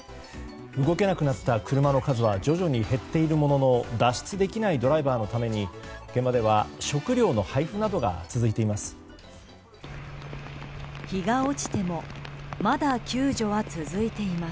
動けなくなった車の数は徐々に減っているものの脱出できないドライバーのために現場では食料の配布などが続いています。